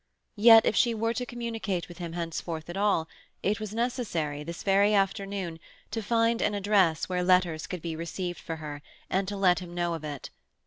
Yet, if she were to communicate with him henceforth at all, it was necessary, this very afternoon, to find an address where letters could be received for her, and to let him know of it.